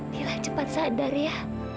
mila cepat sadar ya